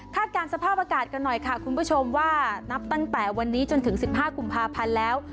การสภาพอากาศกันหน่อยค่ะคุณผู้ชมว่านับตั้งแต่วันนี้จนถึง๑๕กุมภาพันธ์แล้ว